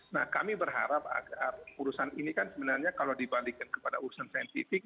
nah kami berharap urusan ini kan sebenarnya kalau dibalikkan kepada urusan saintifik